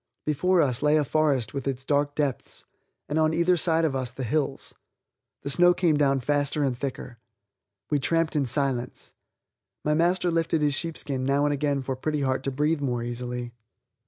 Before us lay a forest with its dark depths, and on either side of us the hills. The snow came down faster and thicker. We tramped in silence. My master lifted his sheepskin now and again for Pretty Heart to breathe more easily.